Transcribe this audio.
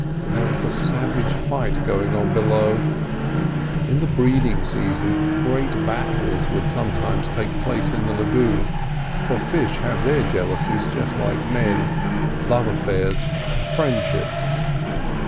There was a savage fight going on below. In the breeding season great battles would take place sometimes in the lagoon, for fish have their jealousies just like men—love affairs, friendships.